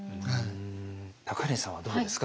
高柳さんはどうですか？